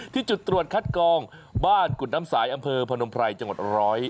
ที่จุดตรวจคัดกองบ้านกุฎน้ำสายอำเภอพนมไพรจังหวัดร้อย